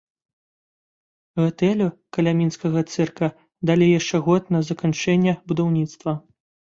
Гатэлю каля мінскага цырка далі яшчэ год на заканчэнне будаўніцтва.